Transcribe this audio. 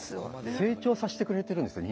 成長させてくれてるんですよね